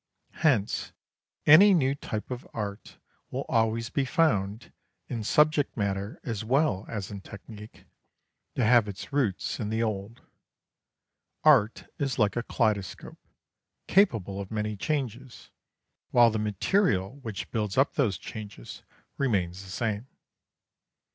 Hence, any new type of art will always be found, in subject matter as well as in technique, to have its roots in the old. Art is like a kaleidoscope, capable of many changes, while the material which builds up those changes remains the same.